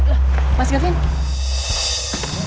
aku mau pergi ke rumah